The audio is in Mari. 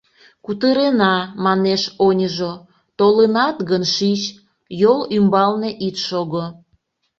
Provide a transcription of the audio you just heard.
— Кутырена, — манеш оньыжо, — толынат гын, шич, йол ӱмбалне ит шого.